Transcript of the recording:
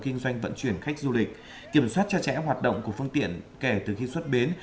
kinh doanh vận chuyển khách du lịch kiểm soát chặt chẽ hoạt động của phương tiện kể từ khi xuất bến